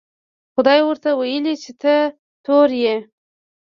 خدای ورته وویل چې ته تور یې.